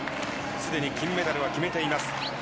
すでに金メダルは決めています。